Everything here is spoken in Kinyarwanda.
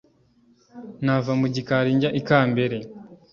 nava mu gikali njya ikambere